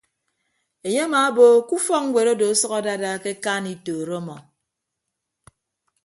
Enye amaabo ke ufọkñwet odo ọsʌk adada ke akaan itooro ọmọ.